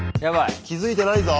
気付いてないぞ。